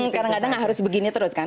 kadang kadang harus begini terus kan